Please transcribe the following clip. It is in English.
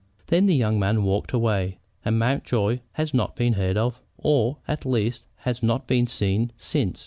Then the young man walked away, and Mountjoy has not been heard of, or, at least, has not been seen since.